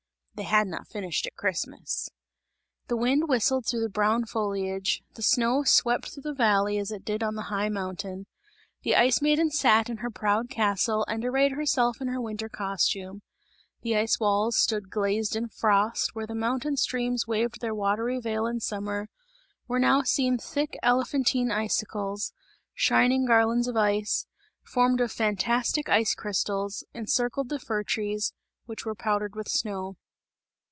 They had not finished at Christmas. The wind whistled through the brown foliage, the snow swept through the valley as it did on the high mountains. The Ice Maiden sat in her proud castle and arrayed herself in her winter costume; the ice walls stood in glazed frost; where the mountain streams waved their watery veil in summer, were now seen thick elephantine icicles, shining garlands of ice, formed of fantastic ice crystals, encircled the fir trees, which were powdered with snow.